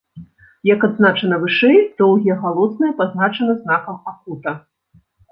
Як адзначана вышэй, доўгія галосныя пазначаны знакам акута.